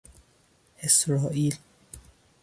اسرائیل